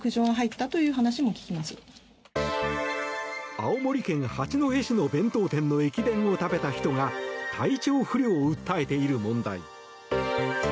青森県八戸市の弁当店の駅弁を食べた人が体調不良を訴えている問題。